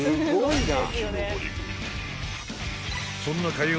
［そんなかよ